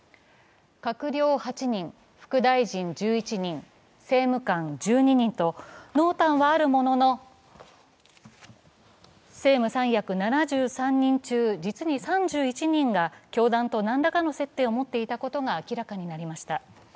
閣僚８人、副大臣１１人、政務官１２人と、濃淡はあるものの政務三役７３人中、実に３１人が教団と何らかの接点を持っていたことが明らかになりました。